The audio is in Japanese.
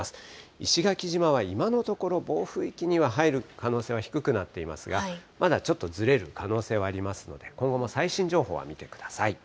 石垣島は今のところ暴風域には入る可能性は低くなっていますが、まだちょっとずれる可能性はありますので、今後も最新情報は見てください。